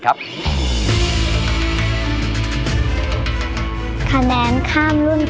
ขีดเอาไว้ว่าเธอไม่รอ